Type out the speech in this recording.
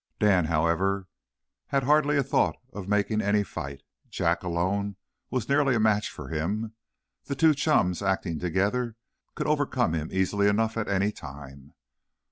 Dan, however, had hardly a thought of making any fight. Jack, alone, was nearly a match for him. The two churns, acting together, could overcome him easily enough at any time.